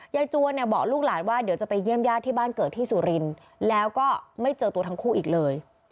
จวนเนี่ยบอกลูกหลานว่าเดี๋ยวจะไปเยี่ยมญาติที่บ้านเกิดที่สุรินทร์แล้วก็ไม่เจอตัวทั้งคู่อีกเลย